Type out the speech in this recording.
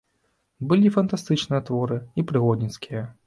Былі і фантастычныя творы, і прыгодніцкія.